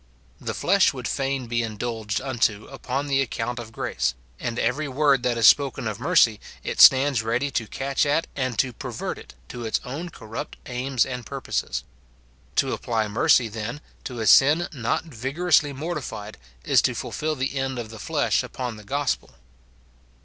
The flesh would fain be indulged unto upon the account of grace, and every word that is spoken of mercy, it stands ready to catch at and to pervert it, to its own corrupt aims and purposes. To apply mercy, then, to a sin not vigorously mortified is to fulfil the end of the flesh upon the gospel.